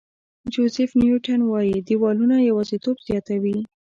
جوزیف نیوټن وایي دیوالونه یوازېتوب زیاتوي.